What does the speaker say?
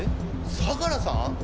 相良さん？